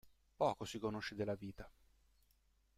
Poco si conosce della vita.